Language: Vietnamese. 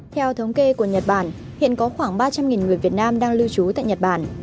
theo thống kê của nhật bản hiện có khoảng ba trăm linh người việt nam đang lưu trú tại nhật bản